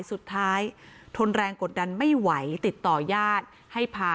สุดท้ายทนแรงกดดันไม่ไหวติดต่อยาธิ์ให้พาเข้าไป